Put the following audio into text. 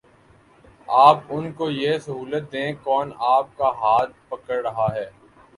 آپ ان کو یہ سہولت دیں، کون آپ کا ہاتھ پکڑ رہا ہے؟